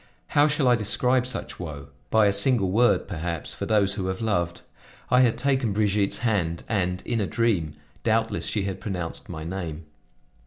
How shall I describe such woe? By a single word, perhaps, for those who have loved. I had taken Brigitte's hand, and, in a dream, doubtless, she had pronounced my name.